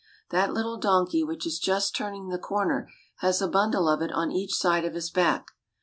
That little donkey which is just turning the corner has a bundle of it on each side of his back.